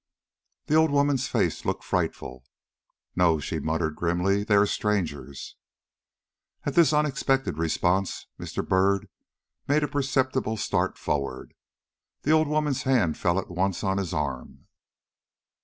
The old woman's face looked frightful. "No," she muttered grimly; "they are strangers." At this unexpected response Mr. Byrd made a perceptible start forward. The old woman's hand fell at once on his arm.